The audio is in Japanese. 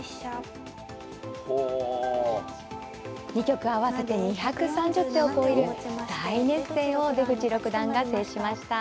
２局合わせて２３０手を超える大熱戦を出口六段が制しました。